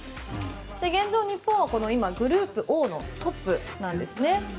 現状、日本はグループＯのトップです。